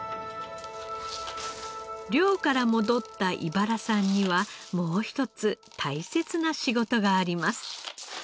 漁から戻った井原さんにはもう一つ大切な仕事があります。